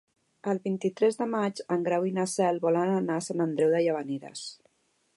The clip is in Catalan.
El vint-i-tres de maig en Grau i na Cel volen anar a Sant Andreu de Llavaneres.